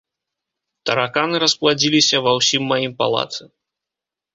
Тараканы распладзіліся ва ўсім маім палацы.